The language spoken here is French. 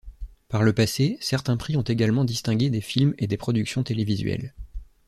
Par le passé, certains prix ont également distingué des films et des productions télévisuelles.